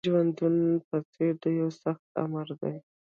ژوندون په څېر د یوه سخت آمر دی